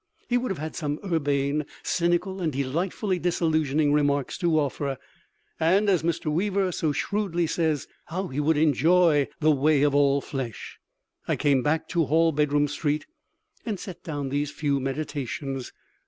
He would have had some urbane, cynical and delightfully disillusioning remarks to offer. And, as Mr. Weaver so shrewdly says, how he would enjoy "The Way of All Flesh!" I came back to Hallbedroom street, and set down these few meditations.